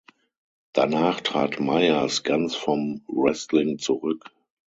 Danach trat Myers ganz vom Wrestling zurück.